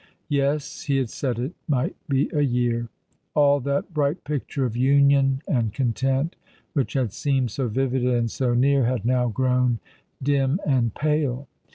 Yes, he had said it might be a year. All that bright picture of union and content, which had seemed so vivid and so near, had now grown dim and pale.